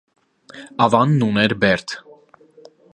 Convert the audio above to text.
Ավանն ուներ բերդ։